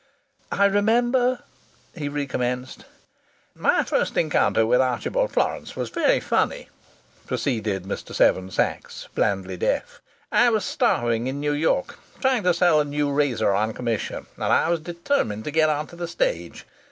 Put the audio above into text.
"I remember " he recommenced. "My first encounter with Archibald Florance was very funny," proceeded Mr. Seven Sachs, blandly deaf. "I was starving in New York, trying to sell a new razor on commission and I was determined to get on to the stage.